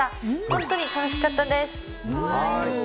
本当に楽しかったです。